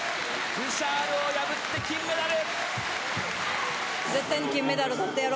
ブシャールを破って金メダル！